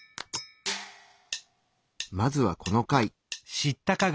まずはこの貝。